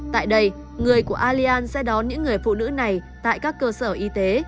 tại đây người của allian sẽ đón những người phụ nữ này tại các cơ sở y tế